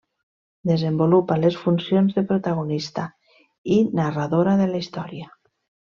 Desenvolupa les funcions de protagonista i narradora de la història.